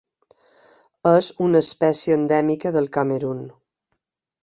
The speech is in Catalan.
És una espècie endèmica del Camerun.